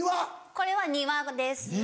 これは庭です。